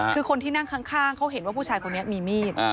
คือคนที่นั่งข้างเขาเห็นว่าผู้ชายคนนี้มีมีด